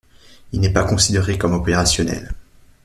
Il n'est pas considéré comme opérationnel.